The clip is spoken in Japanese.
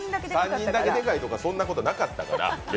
３人だけでかいとかそういうことなかったから。